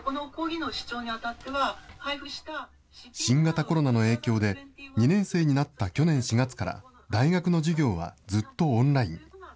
新型コロナの影響で、２年生になった去年４月から、大学の授業はずっとオンライン。